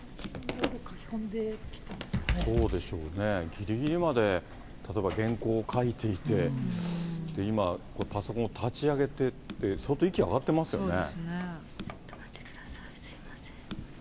ぎりぎりまで例えば原稿を書いていて、今、パソコンを立ち上げてって、相当息上がってますよね。